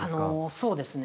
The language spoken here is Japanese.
そうですね。